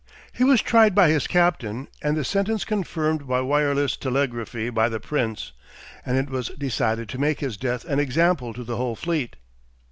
He was tried by his captain, and the sentence confirmed by wireless telegraphy by the Prince, and it was decided to make his death an example to the whole fleet.